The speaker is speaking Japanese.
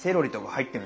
入ってる。